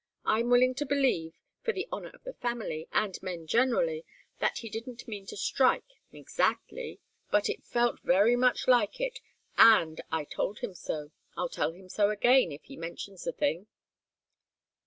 I'm willing to believe for the honour of the family, and men generally that he didn't mean to strike, exactly. But it felt very much like it, and I told him so. I'll tell him so again, if he mentions the thing."